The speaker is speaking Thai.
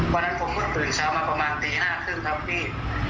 วันนั้นผมก็ตื่นเช้ามาประมาณตี๕๓๐ครับพี่